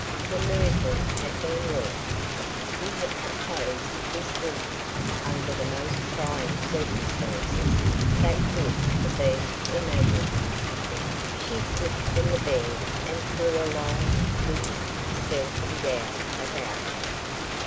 The miracle had been wrought! He had composed this woman under the most trying circumstances that could have teen imagined. She slipped from the bed and threw a long, loose silken gown about her.